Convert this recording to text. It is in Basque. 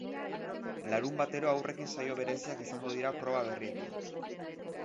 Larunbatero haurrekin saio bereziak izango dira proba berriekin.